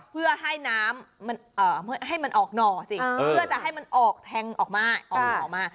เพื่อให้น้ำให้มันออกหน่อสิเพื่อจะให้มันออกแทงออกมาออกหน่อมา